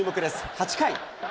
８回。